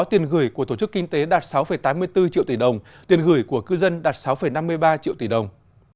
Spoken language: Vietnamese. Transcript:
tiền gửi của tổ chức kinh tế đạt sáu tám mươi bốn triệu tỷ đồng tiền gửi của cư dân đạt sáu năm mươi ba triệu tỷ đồng